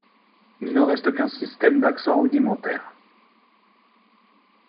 Il ne reste qu'un système d'accent rudimentaire.